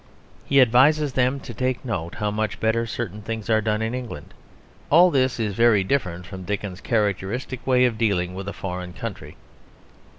He advises them to take note of how much better certain things are done in England. All this is very different from Dickens's characteristic way of dealing with a foreign country.